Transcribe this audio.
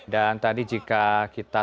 dan tadi jika kita